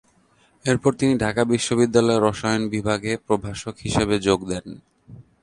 এরপর তিনি ঢাকা বিশ্ববিদ্যালয়ে রসায়ন বিভাগে প্রভাষক হিসেবে যোগ দেন।